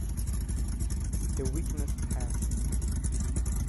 The weakness passed.